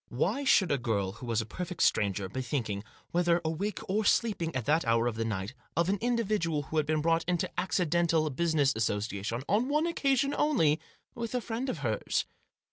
Why should a girl who was a perfect stranger, be thinking, whether awake or sleeping, at that hour of the night, of an individual who had been brought into accidental business association, on one occasion only, with a friend of hers?